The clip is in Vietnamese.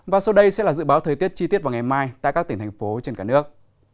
và sau đây sẽ là dự báo thời tiết chi tiết vào ngày mai tại các tỉnh thành phố trên cả nước